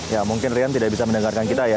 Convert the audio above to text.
ya mungkin rian tidak bisa mendengarkan kita ya